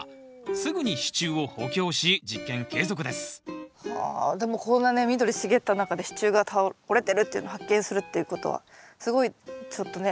すぐに支柱を補強し実験継続ですはあでもこんなね緑茂った中で支柱が折れてるっていうのを発見するっていうことはすごいちょっとね